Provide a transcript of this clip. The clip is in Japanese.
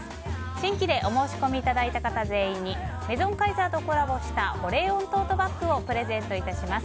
新規でお申込みいただいた方全員にメゾンカイザーとコラボした保冷温トートバッグをプレゼントいたします。